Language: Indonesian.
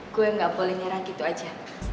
gue gak boleh nyerah gitu aja